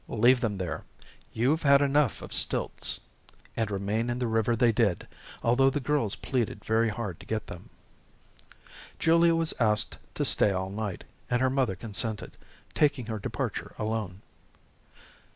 "Leave them there. You've had enough of stilts." And remain in the river they did, although the girls pleaded very hard to get them. Julia was asked to stay all night, and her mother consented, taking her departure alone.